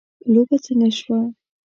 لوبه څنګه شوه .